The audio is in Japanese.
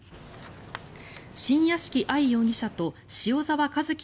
新屋敷愛容疑者と塩澤和輝